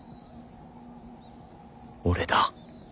俺だ。